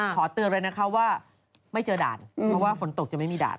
ขอเตือนเลยนะคะว่าไม่เจอด่านเพราะว่าฝนตกจะไม่มีด่าน